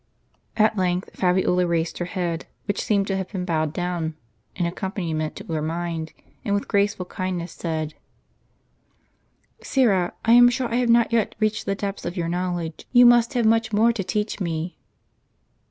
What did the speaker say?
mi CLfl At length Fabiola raised her head, which seemed to have been bowed down in accompaniment to her mind, and with graceful kindness said :" Syra, I am sure I have not yet reached the depths of your knowledge; you must have much more to teach me."